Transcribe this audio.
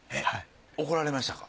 怒られましたか？